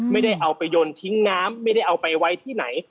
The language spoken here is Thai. ไม่ได้เอาไปยนต์ทิ้งน้ำไม่ได้เอาไปไว้ที่ไหน